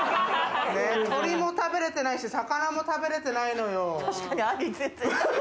鶏も食べれてないし、魚も食べれてないのよ。